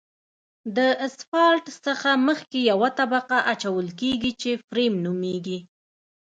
د اسفالټ څخه مخکې یوه طبقه اچول کیږي چې فریم نومیږي